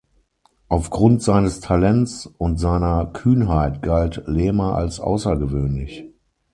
Aufgrund seines Talents und seiner Kühnheit galt Lema als außergewöhnlich.